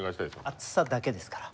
熱さだけですから。